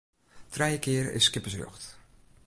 Trije kear is skippersrjocht.